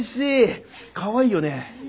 かわいいよねえ。